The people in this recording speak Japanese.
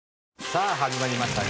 さあ始まりました